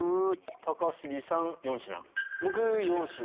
高杉さん４品。